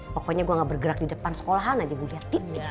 pokoknya gue gak bergerak di depan sekolahan aja boleh tuh tipe tipe